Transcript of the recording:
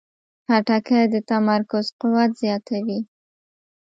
خټکی د تمرکز قوت زیاتوي.